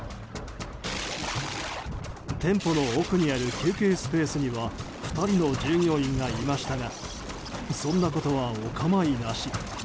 店舗の奥にある休憩スペースには２人の従業員がいましたがそんなことはお構いなし。